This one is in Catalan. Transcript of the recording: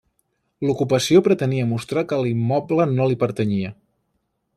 L'ocupació pretenia mostrar que l'immoble no li pertanyia.